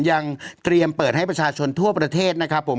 ยังเตรียมเปิดให้ประชาชนทั่วประเทศนะครับผม